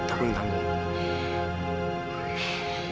aku yang tanggung